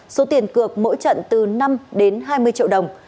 số tiền cược mỗi trận từ năm đến hai mươi triệu đồng